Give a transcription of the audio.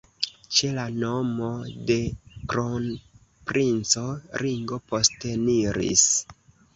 Ĉe la nomo de kronprinco Ringo posteniris.